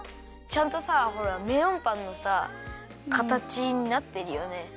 ちゃんとさほらメロンパンのさかたちになってるよね。